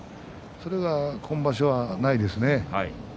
それが、今場所ないですね。